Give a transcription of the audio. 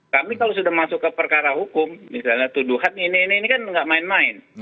kami kalau sudah masuk ke perkara hukum misalnya tuduhan ini ini kan nggak main main